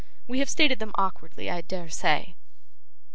We have stated them awkwardly, I dare say.